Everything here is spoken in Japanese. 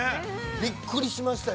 ◆びっくりしましたよ。